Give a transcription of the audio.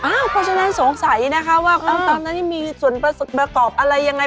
เพราะฉะนั้นสงสัยนะคะว่าขั้นตอนนั้นมีส่วนประกอบอะไรยังไง